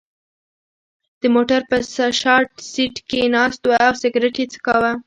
د موټر په شا سېټ کې ناست و او سګرېټ یې څکاو.